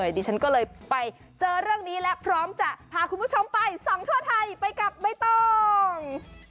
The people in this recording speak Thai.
ดิฉันก็เลยไปเจอเรื่องนี้และพร้อมจะพาคุณผู้ชมไปส่องทั่วไทยไปกับใบตอง